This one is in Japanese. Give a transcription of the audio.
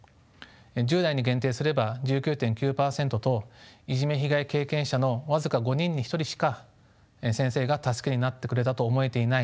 １０代に限定すれば１９．９％といじめ被害経験者の僅か５人に１人しか先生が助けになってくれたと思えていない